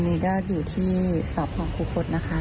ตอนนี้ด้าอยู่ที่สอบของคุคสนะคะ